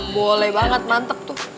boleh banget mantep tuh